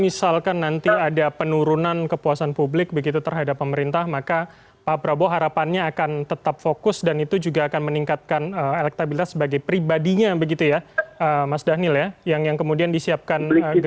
misalkan nanti ada penurunan kepuasan publik begitu terhadap pemerintah maka pak prabowo harapannya akan tetap fokus dan itu juga akan meningkatkan elektabilitas sebagai pribadinya begitu ya mas dhanil ya yang kemudian disiapkan